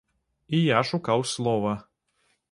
І я шукаў слова.